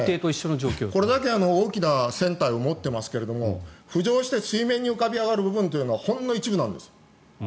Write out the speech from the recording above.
これだけ大きな船体を持っていますけれども浮上して水面に浮かび上がる部分はほんの一部なんです。